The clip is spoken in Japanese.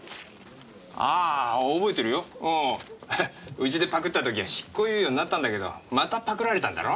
うちでパクった時は執行猶予になったんだけどまたパクられたんだろ？